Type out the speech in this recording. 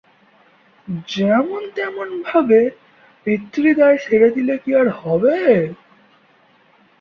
যেমন-তেমন ভাবে পিতৃদায় সেরে দিলে কি আর হবে?